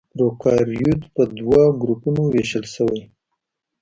پروکاريوت په دوه ګروپونو وېشل شوي.